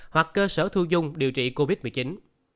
hoặc cơ sở thu dung điều trị covid một mươi chín tại quận huyện